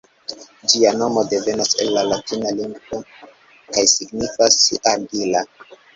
Ĝia nomo devenas el la latina lingvo kaj signifas "argila".